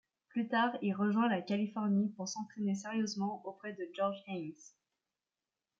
Plus tard, il rejoint la Californie pour s'entraîner sérieusement auprès de Georges Haines.